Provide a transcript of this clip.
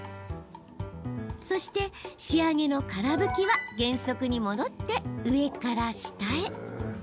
そして仕上げのから拭きは原則に戻って、上から下へ。